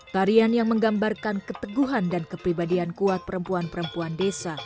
tarian yang menggambarkan keteguhan dan kepribadian kuat perempuan perempuan desa